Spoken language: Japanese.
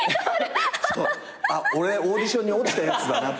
あっ俺オーディションに落ちたやつだなって。